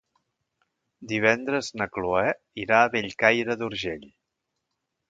Divendres na Cloè irà a Bellcaire d'Urgell.